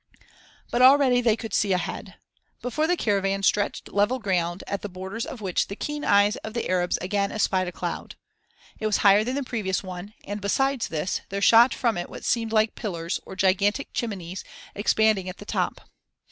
But already they could see ahead. Before the caravan stretched level ground at the borders of which the keen eyes of the Arabs again espied a cloud. It was higher than the previous one and, besides this, there shot from it what seemed like pillars, or gigantic chimneys expanding at the top.